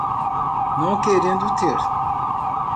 Não querendo ter